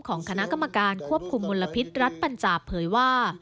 ของคณะกรรมการควบคุมมลพิษรัฐปัญจาเผยว่า